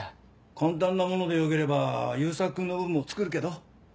簡単なものでよければ悠作君の分も作るけど？